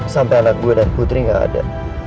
sampai anak gue dan putri gak ada